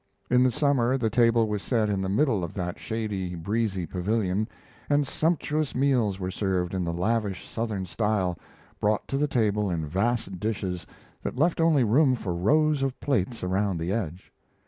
In the summer the table was set in the middle of that shady, breezy pavilion, and sumptuous meals were served in the lavish Southern style, brought to the table in vast dishes that left only room for rows of plates around the edge.